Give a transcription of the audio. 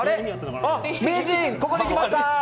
名人、ここに来ました！